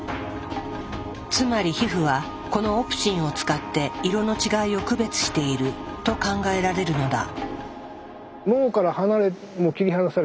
つまり皮膚はこのオプシンを使って色の違いを区別していると考えられるのだ。